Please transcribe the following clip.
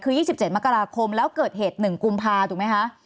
คือ๒๗มกราคมแล้วเกิดเหตุ๑กุมภาถูกไหมคะ